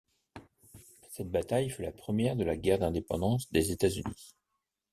Cette bataille fut la première de la guerre d'indépendance des États-Unis.